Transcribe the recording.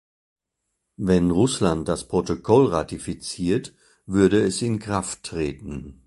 Wenn Russland das Protokoll ratifiziert, würde es in Kraft treten.